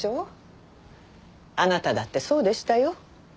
あなただってそうでしたよ。